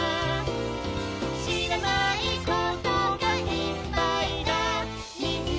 「知らないことがいっぱいだ」